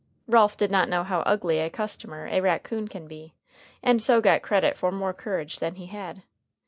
Ralph did not know how ugly a customer a raccoon can be, and so got credit for more courage than he had.